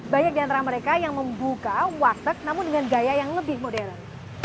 banyak di antara mereka yang membuka warteg namun dengan gaya yang lebih modern